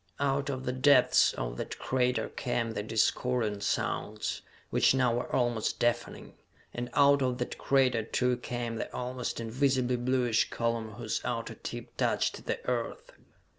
Out of the depths of that crater came the discordant sounds, which now were almost deafening, and out of that crater too came the almost invisibly bluish column whose outer tip touched the Earth.